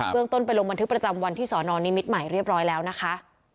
เรื่องต้นไปลงบันทึกประจำวันที่สอนอนนิมิตรใหม่เรียบร้อยแล้วนะคะ